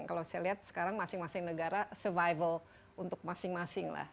kalau saya lihat sekarang masing masing negara survival untuk masing masing lah